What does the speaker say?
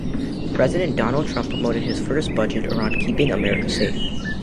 President Donald Trump promoted his first budget around keeping America safe.